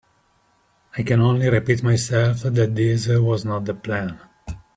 I can only repeat myself that this was not the plan.